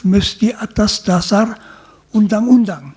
mesti atas dasar undang undang